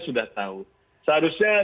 sudah tahu seharusnya